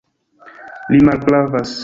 Li malpravas!